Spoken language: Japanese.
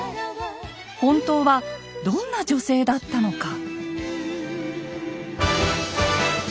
本当はどんな女性だったのか。